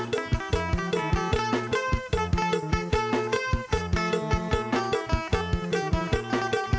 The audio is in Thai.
สบายครับตอนที่ย้อนตอนที่โยอบ